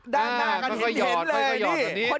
ด้านหน้ากันเห็นเลยนี่